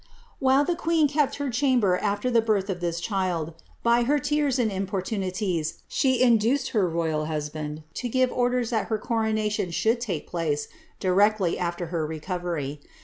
While the queen kept her chamber af\er the birth of this child, by her tears and importunities she induced her royal husband to give orders^ that her coronation should take place directly after her recovery.